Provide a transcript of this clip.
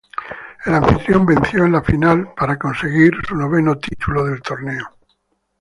El anfitrión venció en la final a para conseguir su noveno título del torneo.